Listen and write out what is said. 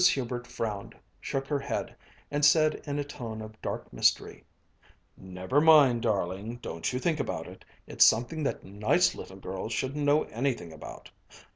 Hubert frowned, shook her head, and said in a tone of dark mystery: "Never mind, darling, don't think about it. It's something that nice little girls shouldn't know anything about.